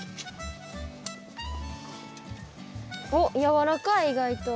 おっやわらかい意外と。